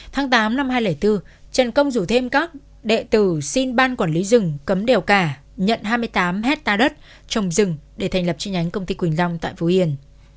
tháng tám năm hai nghìn bốn trần công rủ thêm các đệ tử xin ban quản lý rừng cấm đèo cả nhận hai mươi tám hectare đất trồng rừng để thành lập chi nhánh công ty quỳnh long tại phú yên